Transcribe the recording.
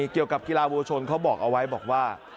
เกี่ยวกับกีฬาวัวชนเขาบอกเอาไว้บอกว่า